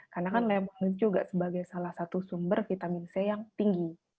karena kan lemon juga sebagai salah satu sumber vitamin c yang tinggi